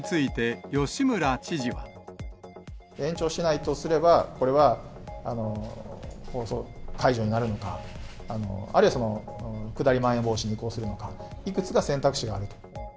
延長しないとすれば、これは解除になるのか、あるいは下りまん延防止に移行するのか、いくつか選択肢があると。